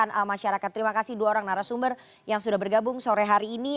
terima kasih kepada masyarakat terima kasih dua orang narasumber yang sudah bergabung sore hari ini